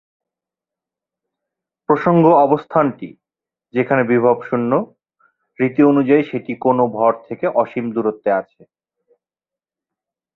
প্রসঙ্গ অবস্থানটি, যেখানে বিভব শূন্য, রীতি অনুযায়ী সেটি কোনও ভর থেকে অসীম দূরত্বে আছে।